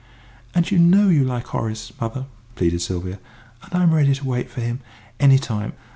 "And you know you like Horace, mother!" pleaded Sylvia. "And I'm ready to wait for him, any time.